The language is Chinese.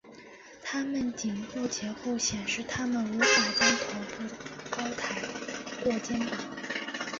它们颈部结构显示它们无法将头部高抬过肩膀。